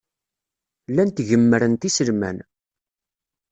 Llant gemmrent iselman.